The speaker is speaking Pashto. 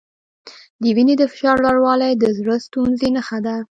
د وینې د فشار لوړوالی د زړۀ ستونزې نښه ده.